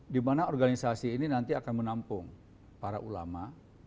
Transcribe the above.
di mana organisasi ini nanti akan menampung para ulama